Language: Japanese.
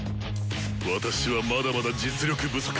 私はまだまだ実力不足！